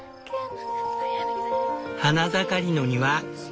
花盛りの庭。